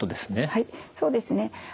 はいそうですね。